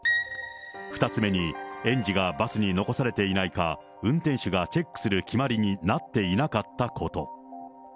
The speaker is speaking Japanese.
２つ目に園児がバスに残されていないか、運転手がチェックする決まりになっていなかったこと。